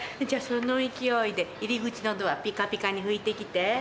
じゃあその勢いで入り口のドアピカピカにふいてきて。